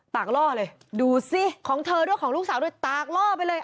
ล่อเลยดูสิของเธอด้วยของลูกสาวด้วยตากล่อไปเลย